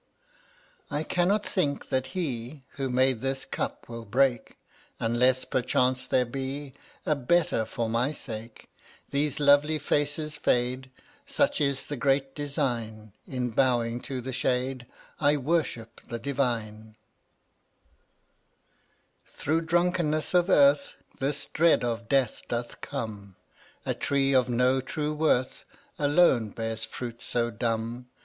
I cannot think that He Who made this cup will break, Unless, perchance, there be A better for my sake. These lovely faces fade ? Such is the Great Design; In bowing to the Shade I worship the Divine. e\m$ fttttdtf Through drunkenness of earth f y^ This dread of death doth come; \JvC' A tree of no true worth Alone bears fruit so dumb.